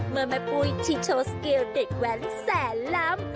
เมื่อแม่ปุ้ยที่โชว์สเกลเด็ดแวนแสนลำ